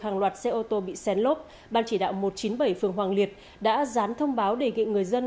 hàng loạt xe ô tô bị xén lốp ban chỉ đạo một trăm chín mươi bảy phường hoàng liệt đã dán thông báo đề nghị người dân